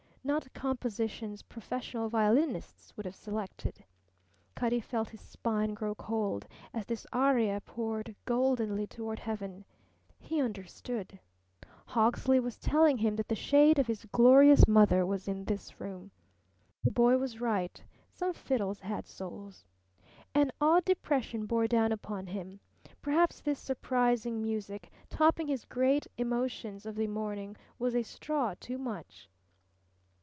Not compositions professional violinists would have selected. Cutty felt his spine grow cold as this aria poured goldenly toward heaven. He understood. Hawksley was telling him that the shade of his glorious mother was in this room. The boy was right. Some fiddles had souls. An odd depression bore down upon him. Perhaps this surprising music, topping his great emotions of the morning, was a straw too much.